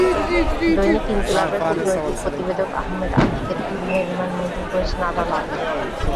দৈনিক ইনকিলাব-এর কূটনৈতিক প্রতিবেদক আহমেদ আতিকের দুই দিনের রিমান্ড মঞ্জুর করেছেন আদালত।